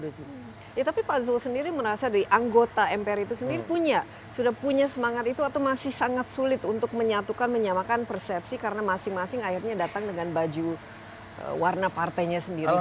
ya tapi pak zul sendiri merasa dari anggota mpr itu sendiri sudah punya semangat itu atau masih sangat sulit untuk menyatukan menyamakan persepsi karena masing masing akhirnya datang dengan baju warna partainya sendiri